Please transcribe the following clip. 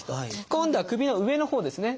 今度は首の上のほうですね。